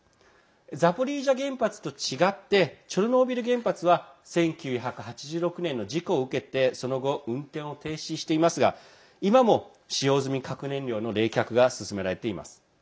ザポリージャ原発と違ってチョルノービリ原発は１９８６年の事故を受けてその後、運転を停止していますが今も使用済み核燃料の冷却が進められています。